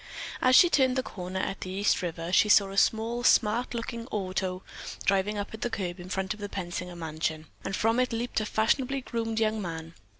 As she turned the corner at the East River, she saw a small, smart looking auto drawing up at the curb in front of the Pensinger mansion, and from it leaped a fashionably groomed young man.